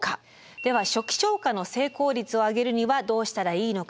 では初期消火の成功率を上げるにはどうしたらいいのか。